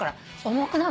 重くない？